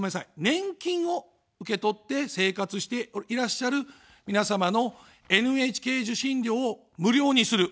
年金を受け取って生活をしていらっしゃる皆様のＮＨＫ受信料を無料にする。